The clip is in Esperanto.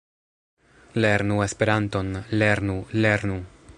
Lernu Esperanton! Lernu! Lernu!